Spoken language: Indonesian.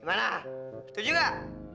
gimana setuju gak